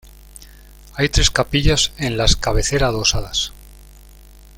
Hay tres capillas en las cabecera adosadas.